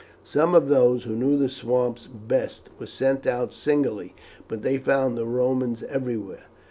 Some of those who knew the swamps best were sent out singly, but they found the Romans everywhere.